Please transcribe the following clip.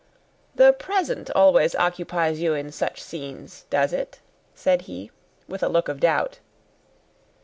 "The present always occupies you in such scenes does it?" said he, with a look of doubt.